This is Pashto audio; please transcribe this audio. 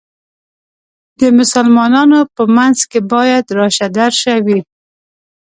د مسلمانانو په منځ کې باید راشه درشه وي.